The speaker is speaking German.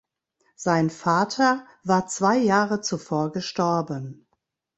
Sein Vater war zwei Jahre zuvor gestorben.